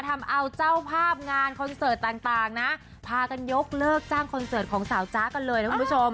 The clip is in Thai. ทำเอาเจ้าภาพงานคอนเสิร์ตต่างนะพากันยกเลิกจ้างคอนเสิร์ตของสาวจ๊ะกันเลยนะคุณผู้ชม